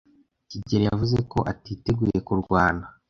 kigeli yavuze ko atiteguye kurwana